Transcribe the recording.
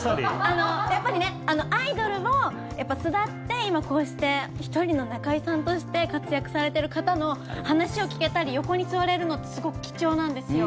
やっぱりアイドルを巣立って今、こうして１人の中居さんとして活躍されている方の話を聞けたり横に座れるのってすごく貴重なんですよ。